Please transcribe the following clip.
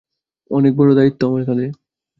অনেক বড় দায়িত্ব আমার কাঁধে।